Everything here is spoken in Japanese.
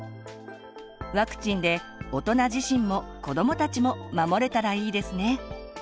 ワクチンで大人自身も子どもたちも守れたらいいですね。